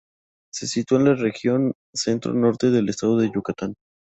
Se sitúa en la región centro norte del estado de Yucatán.